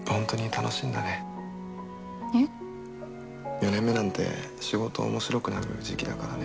４年目なんて仕事面白くなる時期だからね。